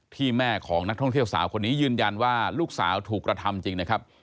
แม่ของนักท่องเที่ยวสาวคนนี้ยืนยันว่าลูกสาวถูกกระทำจริงนะครับ